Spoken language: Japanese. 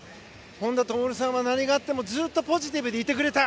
本多灯さんは何があってもずっとポジティブにいてくれた。